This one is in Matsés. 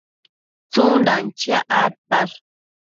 tsundan chiac adpash?